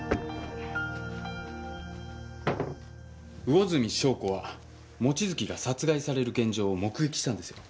魚住笙子は望月が殺害される現場を目撃したんですよ。